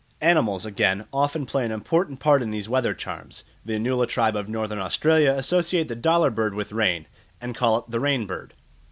Animals, again, often play an important part in these weather charms. The Anula tribe of Northern Australia associate the dollar bird with rain, and call it the rain bird.